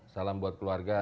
salam buat keluarga